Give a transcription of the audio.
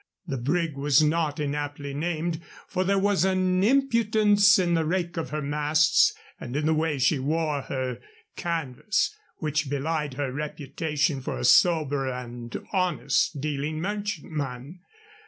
The brig was not inaptly named, for there was an impudence in the rake of her masts and in the way she wore her canvas which belied her reputation for a sober and honest dealing merchantman.